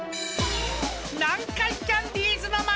［南海キャンディーズのマネ］